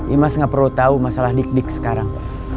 imas gak perlu tahu masalah dikdik sekarang